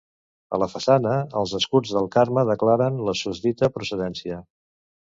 A la façana, els escuts del Carme declaren la susdita procedència.